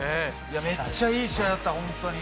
めっちゃいい試合だった本当に。